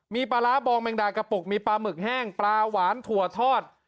มีปลาร้าบองแมงดากระปุกมีปลาหมึกแห้งปลาหวานถั่วทอด